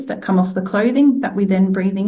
kita mencoba untuk mengelakkan pakaian sintetik jika kita bisa